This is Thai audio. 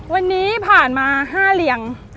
วันนี้ผ่านมา๕เรียง